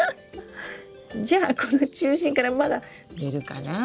じゃあこの中心からまだ出るかなぁ？